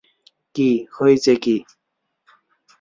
কী, হয়েছে কী?